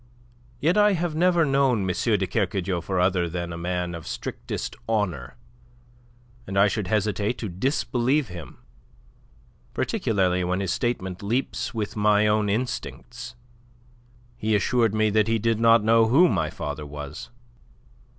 Yet I have never known M. de Kercadiou for other than a man of strictest honour, and I should hesitate to disbelieve him particularly when his statement leaps with my own instincts. He assured me that he did not know who my father was."